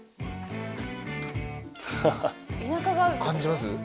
感じます？